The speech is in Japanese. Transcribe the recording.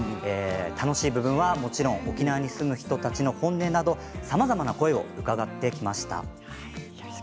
楽しい部分はもちろん沖縄に住む人たちの本音などさまざまな声を伺ってきました。